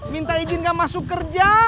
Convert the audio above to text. minta izin gak masuk kerja